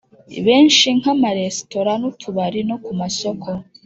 Benshi nka amaresitora n utubari no ku masoko